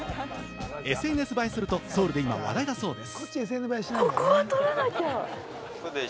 ＳＮＳ映えすると、ソウルで今、話題だそうです。